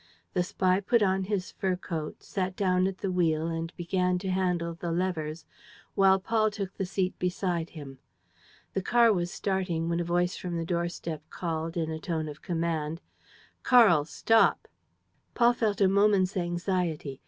The spy put on his fur coat, sat down at the wheel and began to handle the levers while Paul took his seat beside him. The car was starting, when a voice from the doorstep called, in a tone of command: "Karl! Stop!" Paul felt a moment's anxiety.